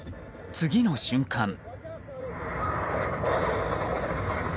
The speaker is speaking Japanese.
次の瞬間。